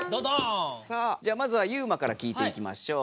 さあじゃあまずはユウマから聞いていきましょう。